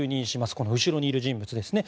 この後ろにいる人物ですね。